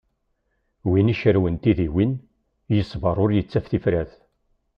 Win icerwen tidiwin, yeṣber ur yettaf tifrat.